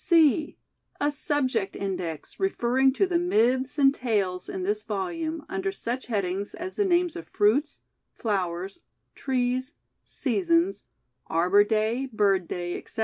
(c) A Subject Index, referring to the myths and tales hi this volume, under such headings as the names of fruits, flowers, trees, seasons, Arbour Day, Bird Day, etc.